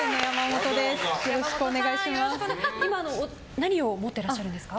今、何を持ってらっしゃるんですか。